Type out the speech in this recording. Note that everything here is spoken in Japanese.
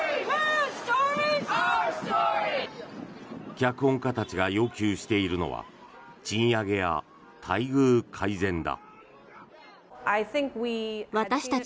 脚本家たちが要求しているのは賃上げや待遇改善だ。